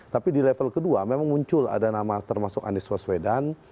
tapi di level kedua memang muncul ada nama termasuk anies waswedan